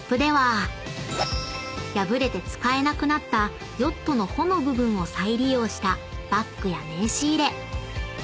［破れて使えなくなったヨットの帆の部分を再利用したバッグや名刺入れ］